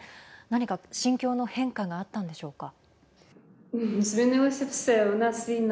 何か心境の変化があったんでしょうか。